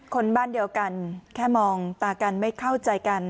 คนบ้านเดียวกันแค่มองตากันไม่เข้าใจกัน